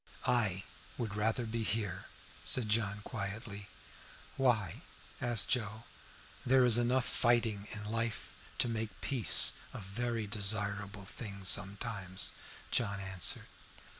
"I would rather be here," said John quietly. "Why?" asked Joe. "There is enough fighting in life to make peace a very desirable thing sometimes," John answered.